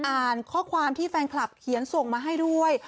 อ่านข้อความที่แฟนคลับเขียนส่งมาให้ด้วย